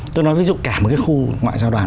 tôi nói ví dụ cả một cái khu ngoại giao đoàn